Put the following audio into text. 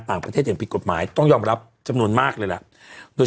ต่างประเทศอย่างผิดกฎหมายต้องยอมรับจำนวนมากเลยล่ะโดย